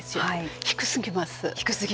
低すぎます。